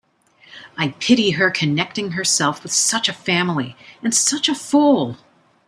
I pity her connecting herself with such a Family, and such a fool!